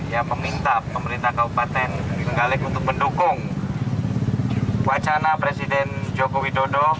yang meminta pemerintah kabupaten trenggalek untuk mendukung wacana presiden joko widodo